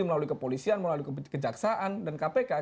melalui kepolisian melalui kejaksaan dan kpk